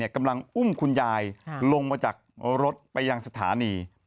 กำลังอุ้มคุณยายลงมาจากรถไปยังสถานี